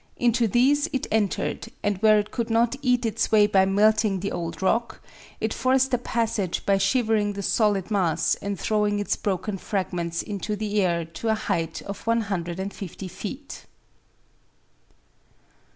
Into these it entered, and where it could not eat its way by melting the old rock, it forced a passage by shivering the solid mass and throwing its broken fragments into the air to a height of 150 feet.